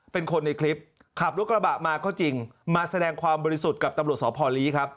เป็นคนในคลิปขับรถกระบะมาก็จริงมาแสดงความบริสุทธิ์กับตำรวจสพลีครับ